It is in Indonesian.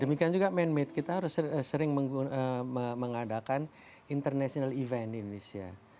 demikian juga man made kita harus sering mengadakan international event di indonesia